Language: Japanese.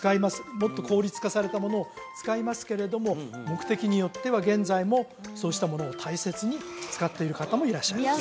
もっと効率化されたものを使いますけれども目的によっては現在もそうしたものを大切に使っている方もいらっしゃいます